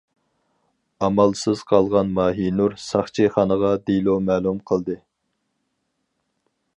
ئامالسىز قالغان ماھىنۇر ساقچىخانىغا دېلو مەلۇم قىلدى.